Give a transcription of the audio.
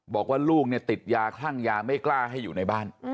บอกว่าลูกเนี่ยติดยาคลั่งยาไม่กล้าให้อยู่ในบ้าน